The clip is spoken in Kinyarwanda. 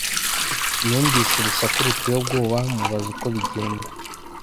Numvise urusaku ruteye ubwoba mubaza uko bigenda